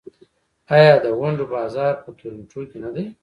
آیا د ونډو بازار په تورنټو کې نه دی؟